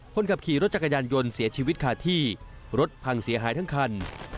คนขับขี่รถจักรยานยนต์เสียชีวิตขาดที่รถพังเสียหายทั้งคัน